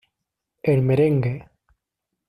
El merengue.